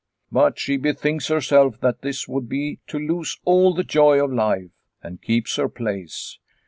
But she bethinks herself that this would be to lose all the joy of life, and keeps her place.